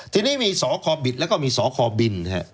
ทีนี้มีสอคอบิดแล้วก็มีสอคอบินครับ